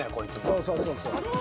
そうそうそうそう。